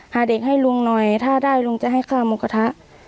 หาเด็กให้ลุงหน่อยถ้าได้ลุงจะให้ค่าหมูกระทะ